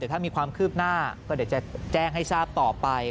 ถ้ามีความคืบหน้าก็เดี๋ยวจะแจ้งให้ทราบต่อไป